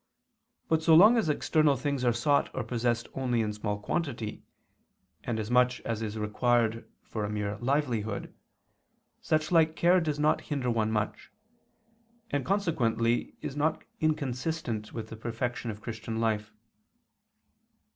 But so long as external things are sought or possessed only in a small quantity, and as much as is required for a mere livelihood, such like care does not hinder one much; and consequently is not inconsistent with the perfection of Christian life.